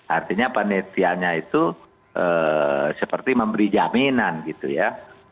artinya panitianya itu seperti memberi jaminan gitu ya